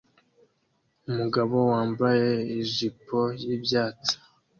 Umugabo wambaye ijipo y'ibyatsi